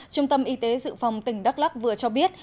trung tâm y tế dự phòng tỉnh đắk lắc vừa cho biết